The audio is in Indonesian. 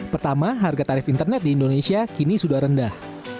pertama harga tarif internet di indonesia kini sudah rendah